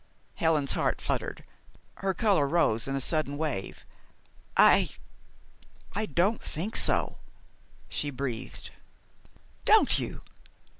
Helen's heart fluttered. Her color rose in a sudden wave. "I I don't think so," she breathed. "Don't you?